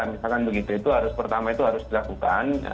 misalkan begitu itu harus pertama itu harus dilakukan